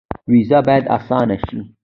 ویزه باید اسانه شي